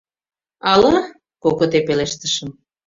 — Ала... — кокыте пелештышым.